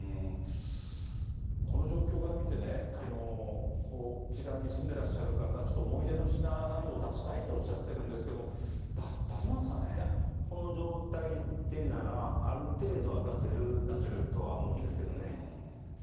この状況から見て、こちらに住んでらっしゃる方は、ちょっと思い出の品などを出したいとおっしゃってるんですけれどこの状態でなら、ある程度は出せるとは思うんですけどね。